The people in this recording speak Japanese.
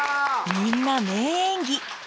みんな名演技。